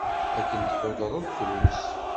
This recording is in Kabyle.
Akken tḥudreḍ, drus.